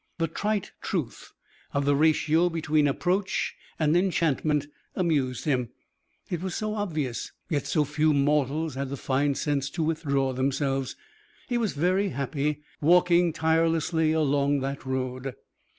The trite truth of the ratio between approach and enchantment amused him. It was so obvious, yet so few mortals had the fine sense to withdraw themselves. He was very happy walking tirelessly along that road.